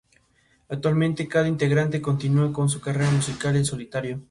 En Costa Rica hay registros de alimentación con coleópteros.